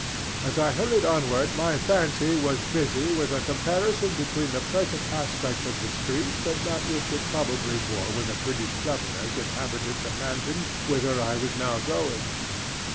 As I hurried onward my fancy was busy with a comparison between the present aspect of the street and that which it probably wore when the British governors inhabited the mansion whither I was now going.